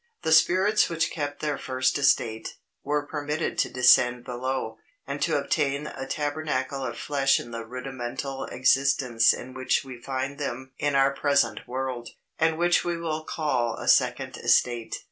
The spirits which kept their first estate, were permitted to descend below, and to obtain a tabernacle of flesh in the rudimental existence in which we find them in our present world, and which we will call a second estate.